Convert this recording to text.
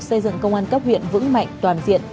xây dựng công an cấp huyện vững mạnh toàn diện